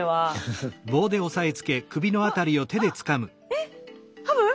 えっハブ？